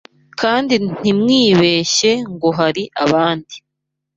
kandi ntimwibeshye ngo hari abandi